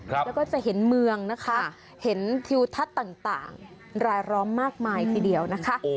แล้วก็จะเห็นเมืองนะคะเห็นทิวทัศน์ต่างรายล้อมมากมายทีเดียวนะคะ